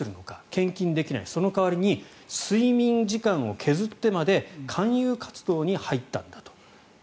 献金できないその代わりに睡眠時間を削ってまで勧誘活動に入ったんだと。